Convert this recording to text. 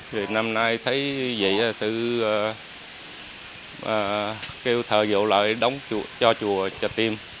thì năm nay thấy vậy là sư kêu thời dẫu lại đóng cho chùa trà tim